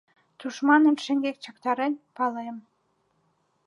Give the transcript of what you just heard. Тушманым шеҥгек чактарен, палем.